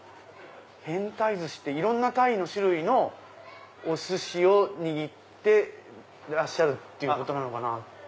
変タイ鮨っていろんなタイの種類のおすしを握ってるっていうことなのかな。